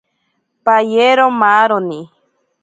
Payero maaroni.